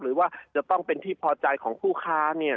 หรือว่าจะต้องเป็นที่พอใจของผู้ค้าเนี่ย